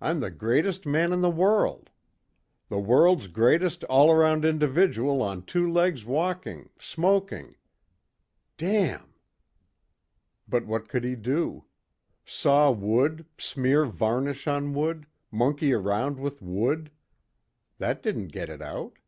I'm the greatest man in the world. The world's greatest all around individual on two legs walking, smoking. Damn...." But what could he do? Saw wood, smear varnish on wood, monkey around with wood. That didn't get it out.